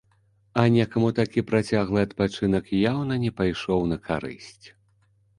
А некаму такі працяглы адпачынак яўна не пайшоў на карысць.